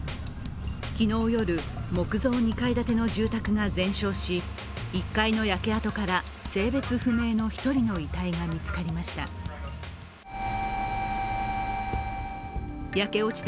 昨日夜、木造２階建ての住宅が全焼し１階の焼け跡から性別不明の１人の遺体が見つかりました。